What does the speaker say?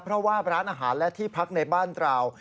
เพราะว่าร้านอาหารและที่พักในบ้านเรา